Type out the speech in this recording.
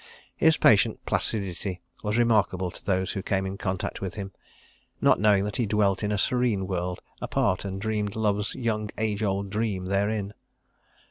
His patient placidity was remarkable to those who came in contact with him—not knowing that he dwelt in a serene world apart and dreamed love's young age old dream therein.